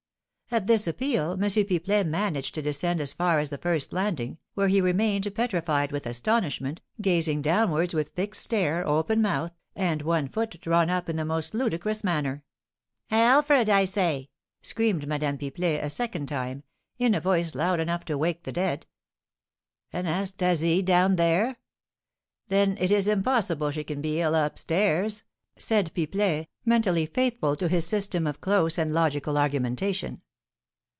At this appeal, M. Pipelet managed to descend as far as the first landing, where he remained petrified with astonishment, gazing downwards with fixed stare, open mouth, and one foot drawn up in the most ludicrous manner. "Alfred, I say!" screamed Madame Pipelet, a second time, in a voice loud enough to awake the dead. "Anastasie down there? Then it is impossible she can be ill up stairs," said Pipelet, mentally, faithful to his system of close and logical argumentation.